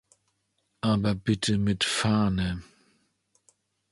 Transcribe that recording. Aber bitte mit Fahne!